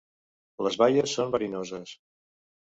Les baies són verinoses.